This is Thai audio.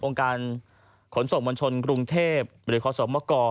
องค์การขนส่งบัญชนกรุงเทพฯหรือคสมก